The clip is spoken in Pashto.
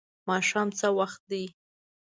ماښام څه وخت دی؟